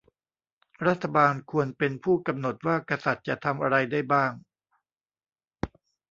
รัฐบาลควรเป็นผู้กำหนดว่ากษัตริย์จะทำอะไรได้บ้าง